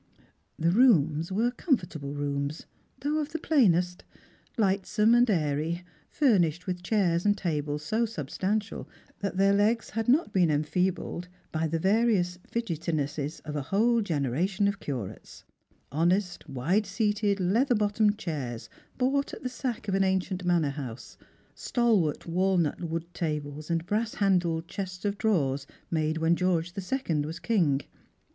The rooms were comfortable rooms, though of the plainest: lightsome and airy ; fui nished with chairs and tables so sub stantial that their legs had not been enfeebled by the various fidgetinesses of a whole generation of curates : honest wide seated leather bottomed chairs bought at the sack of an ancient manor house ; stalwart Avalnut wood tables and brass handled chests of drawers made when George the Second was king.